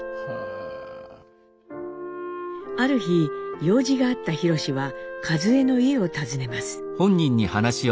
ある日用事があった弘史は和江の家を訪ねます。